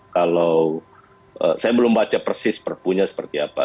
kalau saya belum baca persis perpunya seperti apa